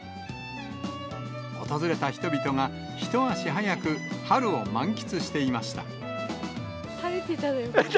訪れた人々が、一足早く春を満喫していました。